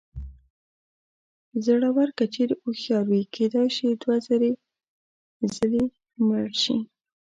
زړور که چېرې هوښیار وي کېدای شي دوه زره ځلې مړ شي.